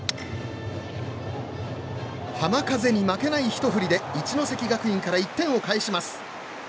浜風に負けないひと振りで一関学院から１点を返します。